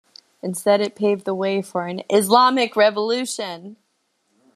Instead, it paved the way for an Islamic Revolution.